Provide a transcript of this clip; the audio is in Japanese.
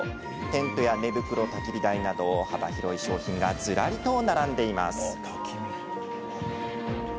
テントや寝袋、たき火台など幅広い商品がずらりと並んでいます。